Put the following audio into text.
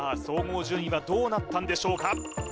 総合順位はどうなったんでしょうか？